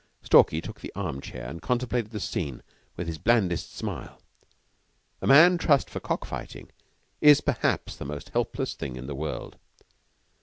Stalky took the arm chair and contemplated the scene with his blandest smile. A man trussed for cock fighting is, perhaps, the most helpless thing in the world.